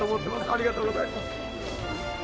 ありがとうございます。